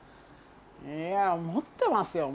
いや思ってますよ。